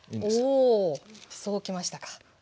そうきましたか。